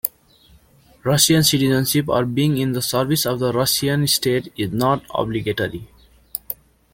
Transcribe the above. Russian citizenship or being in the service of the Russian state is not obligatory.